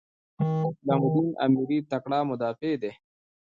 اسلام الدین امیري تکړه مدافع دی.